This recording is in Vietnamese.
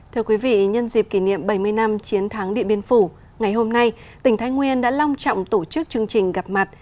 thưa quý vị nhân dịp kỷ niệm bảy mươi năm chiến thắng địa biên phủ ngày hôm nay tỉnh thái nguyên đã long trọng tổ chức chương trình gặp mặt